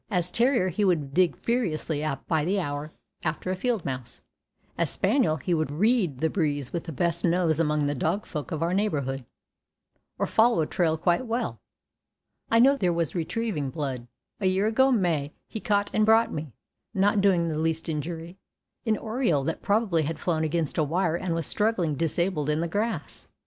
As terrier he would dig furiously by the hour after a field mouse; as spaniel he would "read" the breeze with the best nose among the dog folk of our neighborhood, or follow a trail quite well. I know there was retrieving blood. A year ago May he caught and brought me, not doing the least injury, an oriole that probably had flown against a wire and was struggling disabled in the grass.